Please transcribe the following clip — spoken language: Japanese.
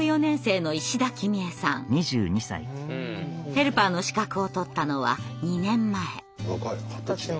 ヘルパーの資格を取ったのは２年前。